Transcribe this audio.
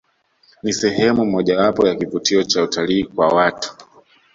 Ni sehemu mojawapo ya kivutio Cha utalii kwa watu